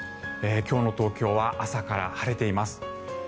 今日の東京は朝から晴れています。